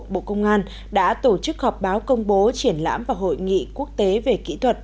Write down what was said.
bộ công an đã tổ chức họp báo công bố triển lãm và hội nghị quốc tế về kỹ thuật